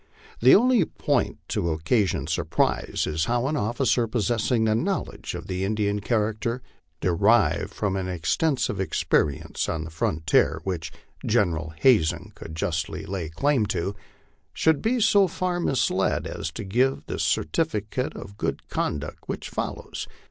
The only point to occasion surprise is ho\r an officer possessing the knowledge of the Indian character, derived from an extensive experience on the frontier, which General Hazen could justly lay claim to, should be so far misled as to give the certificate of good conduct which follows.